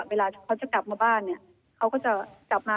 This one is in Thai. เวลาเขาจะกลับมาบ้านเนี่ยเขาก็จะกลับมา